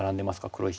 黒石。